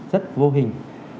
rất vô hình